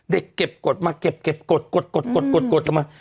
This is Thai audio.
เด็กเก็บกดมาเก็บกดกดกดลงมา